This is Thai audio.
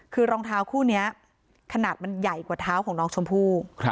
คือรองเท้าคู่นี้ขนาดมันใหญ่กว่าเท้าของน้องชมพู่